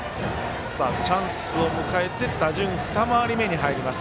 チャンスを迎えて打順２回り目に入ります。